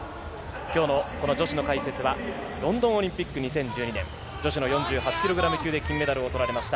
今日の女子の解説はロンドンオリンピック２０１２年、女子の４８ｋｇ級で金メダルを取られました